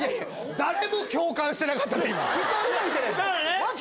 誰も共感してなかったで今。